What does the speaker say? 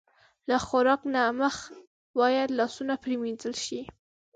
له خوراک نه د مخه باید لاسونه پرېمنځل شي.